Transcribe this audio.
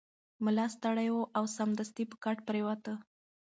ملا ستړی و او سمدستي په کټ پریوت.